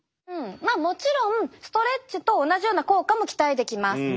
まあもちろんストレッチと同じような効果も期待できます。